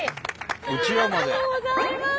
ありがとうございます！